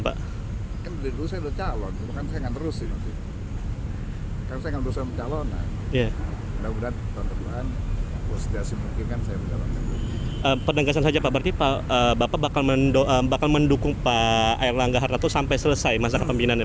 pendengasan saja pak berarti bapak bakal mendukung pak air langga artarto sampai selesai masalah pemimpinannya